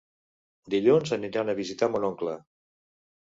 Dilluns aniran a visitar mon oncle.